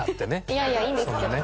いやいやいいんですけど。